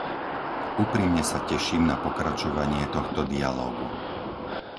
Úprimne sa teším na pokračovanie tohto dialógu.